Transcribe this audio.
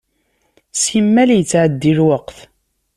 Simmal yettɛeddi lweqt.